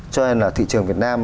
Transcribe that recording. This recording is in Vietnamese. cho nên là thị trường việt nam